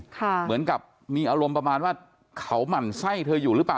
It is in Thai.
เหมือนกับมีอารมณ์ประมาณว่าเขาหมั่นไส้เธออยู่หรือเปล่า